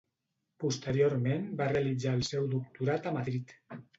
Posteriorment va realitzar el seu doctorat a Madrid.